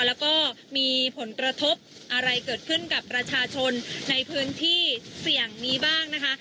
แล้วก็มีผลกระทบอะไรเกิดขึ้นกับประชาชนในพื้นที่เสี่ยงนี้บ้างนะคะ